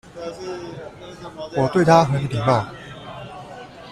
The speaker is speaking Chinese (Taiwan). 我對他很禮貌